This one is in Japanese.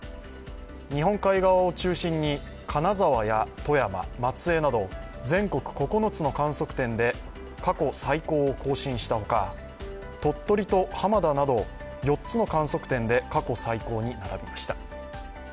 日本海側を中心に金沢や富山、松江など全国９つの観測点で過去最高を更新したほか鳥取と浜田など４つの観測点で過去最高に並びました。